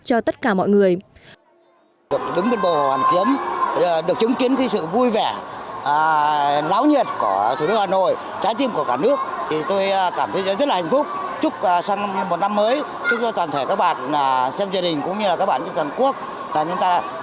cho tất cả mọi người